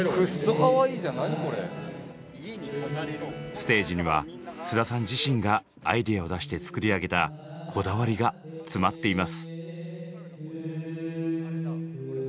ステージには菅田さん自身がアイデアを出して作り上げたこだわりが詰まっています。